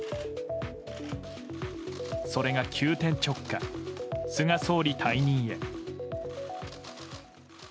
それが急転直下、菅総理退任へ。